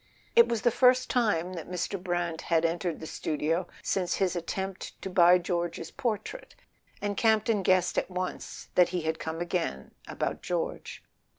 It was the first time that Mr. Brant had entered the studio since his attempt to buy George's portrait, and Campton guessed at once that he had come again about George.